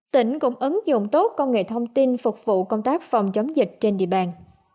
tỉnh cũng ứng dụng tốt công nghệ thông tin phục vụ công tác phòng chống dịch trên địa bàn